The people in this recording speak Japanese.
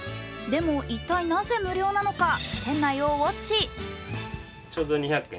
でも、一体なぜ無料なのか店内をウオッチ。